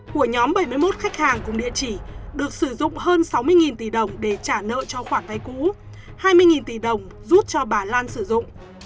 của nhóm bảy mươi một khách hàng cùng địa chỉ được sử dụng hơn sáu mươi tỷ đồng để trả nợ cho khoản vay cũ hai mươi tỷ đồng rút cho bà lan sử dụng